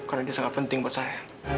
karena dia sangat penting buat saya